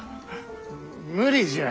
無理じゃ。